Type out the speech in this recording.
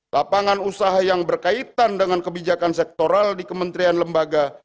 lapangan usaha yang berkaitan dengan kebijakan sektoral di kementerian lembaga